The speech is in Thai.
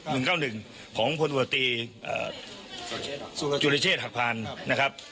หนึ่งเก้าหนึ่งของผลอุทธิเอ่อจุฬิเชษฐักพรรณนะครับ